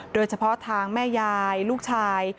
โดยเฉพาะทางแม่ยายลูกชาย